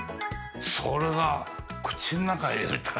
それが口の中入れたら。